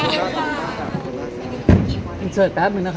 พี่อัดมาสองวันไม่มีใครรู้หรอก